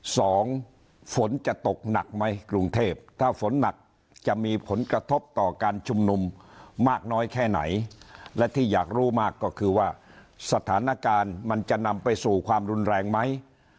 ฝนจะตกหนักไหมกรุงเทพถ้าฝนหนักจะมีผลกระทบต่อการชุมนุมมากน้อยแค่ไหนและที่อยากรู้มากก็คือว่าสถานการณ์มันจะนำไปสู่ความรุนแรงไหม